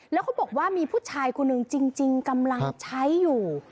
แล้วเขาบอกว่ามีผู้ชายคนหนึ่งจริงกำลังใช้อยู่